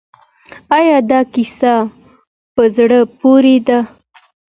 آیا دا کیسه په زړه پورې ده؟